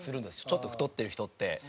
ちょっと太ってる人って。